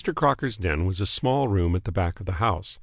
Crocker's den was a small room at the back of the house.